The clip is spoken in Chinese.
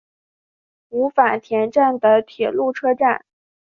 五反田站的铁路车站。